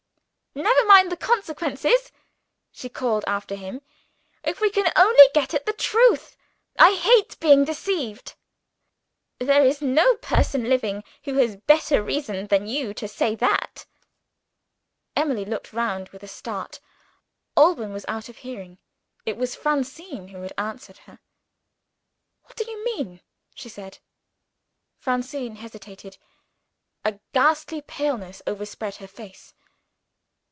"Never mind the consequences," she called after him, "if we can only get at the truth. I hate being deceived!" "There is no person living who has better reason than you have to say that." Emily looked round with a start. Alban was out of hearing. It was Francine who had answered her. "What do you mean?" she said. Francine hesitated. A ghastly paleness overspread her face.